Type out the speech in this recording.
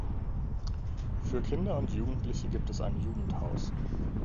Für Kinder und Jugendliche gibt es ein Jugendhaus.